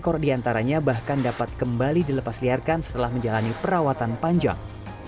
tujuh ekor di antaranya bahkan dapat kembali dilepasliarkan setelah menjalani perawatan panjang